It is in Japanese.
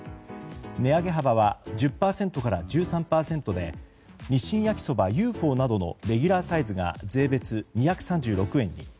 値上げ幅は１０％から１３％で日清焼そばＵ．Ｆ．Ｏ．などのレギュラーサイズが税別２３６円に。